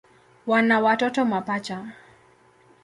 Wana watoto mapacha.